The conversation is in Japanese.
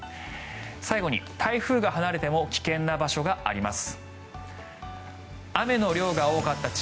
最後に台風が離れても危険な場所があります。